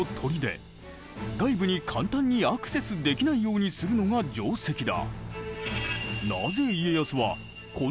外部に簡単にアクセスできないようにするのが定石だ。